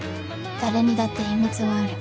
誰にだって秘密はある。